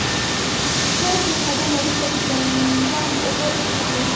هر څو قدمه وروسته د زمزم اوبه ايښي دي.